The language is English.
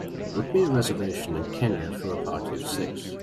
Book me a reservation in Kenya for a party of six